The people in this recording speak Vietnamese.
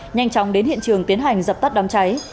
nhanh chóng đến hiện trường tiến hành dập tắt đám cháy